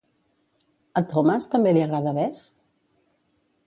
A Thomas també li agrada Bess?